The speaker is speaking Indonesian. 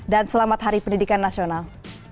dan selamat hari pendidikan nasional